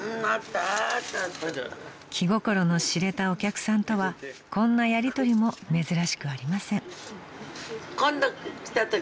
［気心の知れたお客さんとはこんなやりとりも珍しくありません］